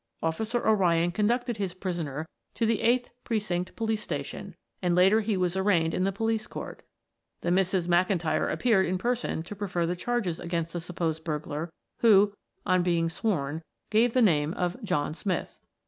"Officer O'Ryan conducted his prisoner to the 8th Precinct Police Station, and later he was arraigned in the police court. The Misses McIntyre appeared in person to prefer the charges against the supposed burglar, who, on being sworn, gave the name of John Smith.